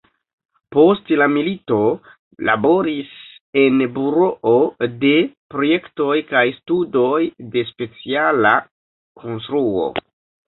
Post la milito laboris en Buroo de Projektoj kaj Studoj de Speciala Konstruo.